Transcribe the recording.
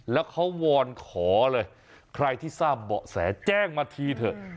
แล้วเขาวอนขอเลยใครที่ทราบเบาะแสแจ้งมาทีเถอะ